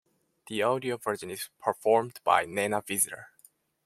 The audio version is performed by Nana Visitor.